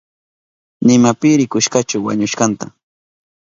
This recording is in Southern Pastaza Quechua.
Nima pi rikushkachu wañushkanta.